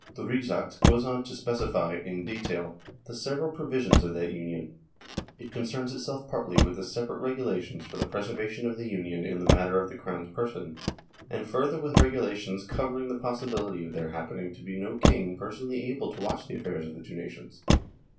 The " Rigsakt " goes on to specify in detail the several provisions of that union ; it concerns itself partly with the separate regulations for the preservation of the union in the matter of the Crown's person, and further with regulations cover ing the possibility of there happening to be no king personally able to watch the affairs of the two nations.